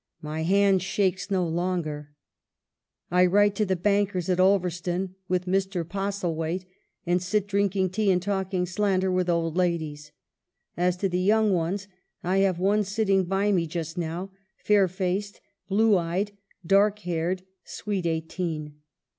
My hand shakes no longer : I write to the bankers at Ulverston with Mr. Postlethwaite, and sit drinking tea and talking slander with old ladies. As to the young ones, I have one sitting by me just now, fair faced, blue eyed, dark haired, sweet eighteen.